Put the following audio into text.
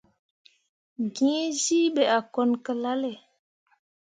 Gǝǝzyii ɓe a kone ki lalle.